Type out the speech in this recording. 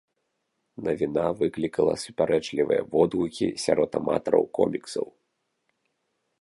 Навіна выклікала супярэчлівыя водгукі сярод аматараў коміксаў.